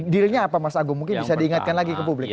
dealnya apa mas agung mungkin bisa diingatkan lagi ke publik